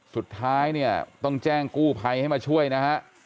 สุดท้ายเนี่ยต้องแจ้งกู้ภัยให้มาช่วยนะฮะ